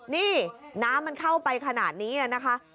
นี่น้ำมันเข้าไปขนาดนี้นะคะ